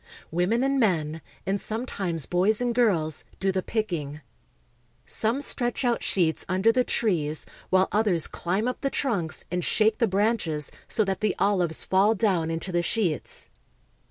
Women and men, and sometimes boys and girls, do the picking. Some stretch out sheets under the trees, while others climb up the trunks and shake the branches so that the olives fall down into the sheets.